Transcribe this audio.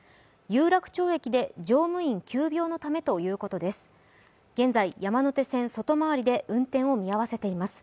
有楽町駅で乗務員急病のためということです。